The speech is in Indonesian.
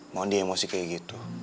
mondi emosi kayak gitu